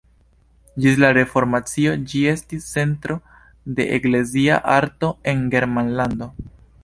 Ĝis la Reformacio ĝi estis centro de eklezia arto en Germanlando.